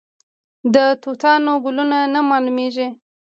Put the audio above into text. د توتانو ګلونه نه معلومیږي؟